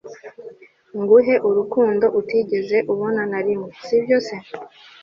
nguhe urukundo utugeze ubona narimwe, sibyo se!